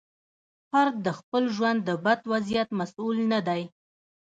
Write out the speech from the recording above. فرد د خپل ژوند د بد وضعیت مسوول نه دی.